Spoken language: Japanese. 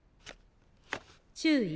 注意！